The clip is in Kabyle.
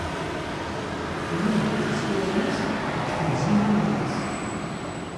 Inuda tisura-nnes deg temziyin-nnes.